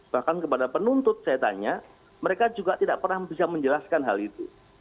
bahkan kepada penuntut saya tanya mereka juga tidak pernah bisa menjelaskan hal itu